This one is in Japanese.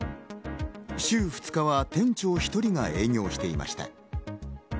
週２日は店長１人が営業していました。